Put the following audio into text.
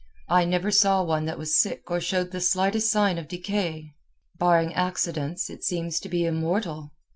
I never saw one that was sick or showed the slightest sign of decay. Barring accidents, it seems to be immortal.